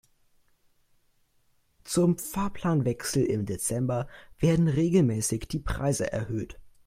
Zum Fahrplanwechsel im Dezember werden regelmäßig die Preise erhöht.